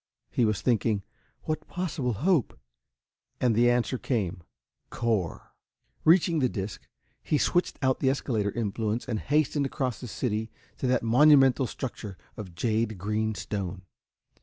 he was thinking. "What possible hope?" And the answer came: Cor! Reaching the disc, he switched out the escalator influence and hastened across the city to that monumental structure of jade green stone.